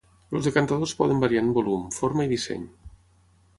Els decantadors poden variar en volum, forma i disseny.